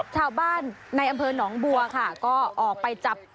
ชาวบ้านในอำเภอหนองบัวค่ะก็ออกไปจับ